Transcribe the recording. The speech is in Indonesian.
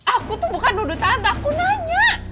aku tuh bukan nuduh tante aku nanya